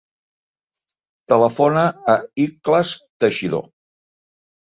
Telefona a l'Ikhlas Teixidor.